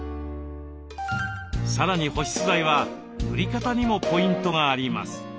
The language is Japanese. さらに保湿剤は塗り方にもポイントがあります。